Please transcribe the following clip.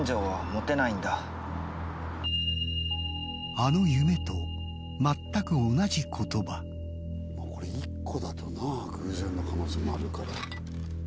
あの夢と全くこれ１個だとな偶然の可能性もあるから。